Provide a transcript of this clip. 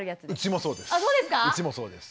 うちもそうです。